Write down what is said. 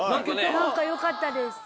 何かよかったです。